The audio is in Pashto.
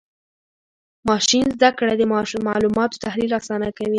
ماشین زده کړه د معلوماتو تحلیل آسانه کوي.